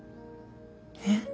えっ？